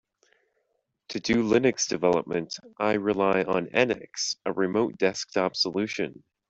To do Linux development, I rely on NX, a remote desktop solution.